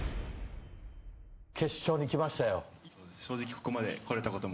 決勝に来ましたよ。